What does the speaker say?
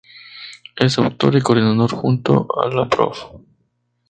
Es autor y coordinador junto a la Prof.